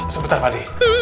sebentar pak d